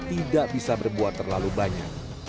tidak bisa berbuat terlalu banyak